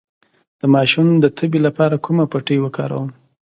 د ماشوم د تبې لپاره کومه پټۍ وکاروم؟